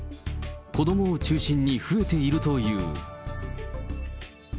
子どもを中心に増えているという。